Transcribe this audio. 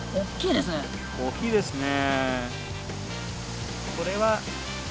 大きいですね。